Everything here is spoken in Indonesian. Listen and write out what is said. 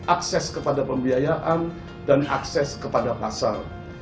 akses kepada pembiayaan dan akses kepada pasar